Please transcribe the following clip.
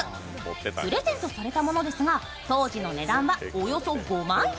プレゼントされたものですが当時の値段はおよそ５万円。